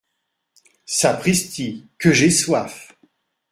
Sapristi, que j’ai soif !